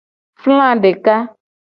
Fla deka.